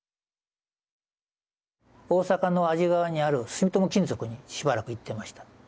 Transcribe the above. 大阪の安治川にある住友金属にしばらく行ってました。